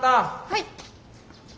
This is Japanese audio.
はい。